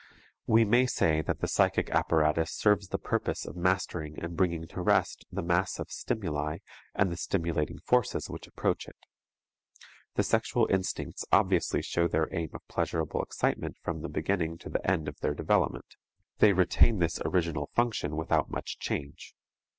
We may say that the psychic apparatus serves the purpose of mastering and bringing to rest the mass of stimuli and the stimulating forces which approach it. The sexual instincts obviously show their aim of pleasurable excitement from the beginning to the end of their development; they retain this original function without much change.